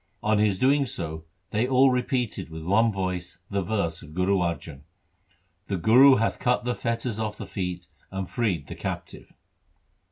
On his doing so they all repeated with one voice the verse of Guru Arjan :— The Guru hath cut the fetters off the feet and freed the captive.